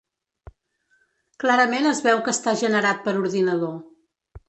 Clarament es veu que està generat per ordinador.